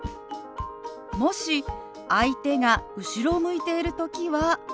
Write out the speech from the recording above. もし相手が後ろを向いている時は。